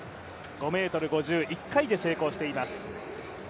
５ｍ５０、１回で成功しています。